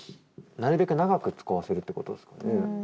なるべく長く使わせるってことですかね？